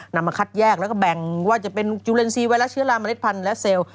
มาคัดแยกแล้วก็แบ่งว่าจะเป็นจุเลนซีไวรัสเชื้อราเมล็ดพันธุ์และเซลล์